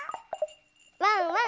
ワンワン